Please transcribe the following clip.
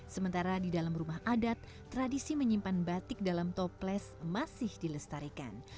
sementara di dalam rumah adat tradisi menyimpan batik dalam toples masih dilestarikan